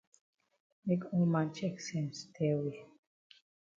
Make all man chek sense tell we.